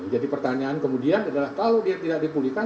jadi pertanyaan kemudian adalah kalau dia tidak dipulihkan